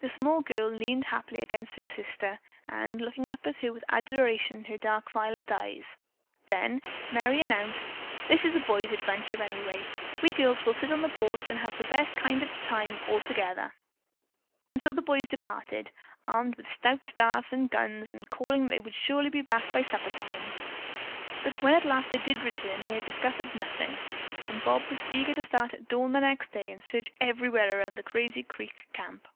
The small girl leaned happily against her sister and looked up at her with adoration in her dark violet eyes. Then Merry announced: "This is a boys' adventure anyway. We girls will sit on the porch and have the best kind of a time all together." And so the boys departed, armed with stout staffs and guns and calling that they would surely be back by supper time. But when at last they did return, they had discovered nothing, and Bob was eager to start at dawn the next day and search everywhere around the Crazy Creek Camp.